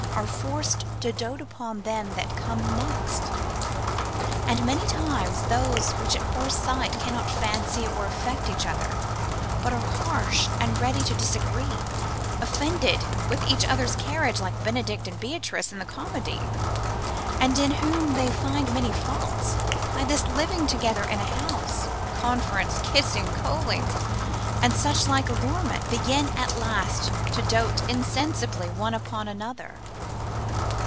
are forced to dote upon them that come next. And many times those which at the first sight cannot fancy or affect each other, but are harsh and ready to disagree, offended with each other's carriage, like Benedict and Beatrice in the comedy, and in whom they find many faults, by this living together in a house, conference, kissing, colling, and such like allurements, begin at last to dote insensibly one upon another.